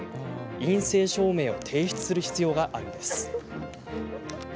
陰性証明を提出する必要があります。